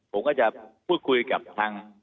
ผมก็จะพูดคุยกับทาง